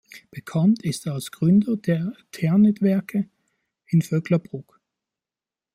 Bekannt ist er als Gründer der Eternit-Werke in Vöcklabruck.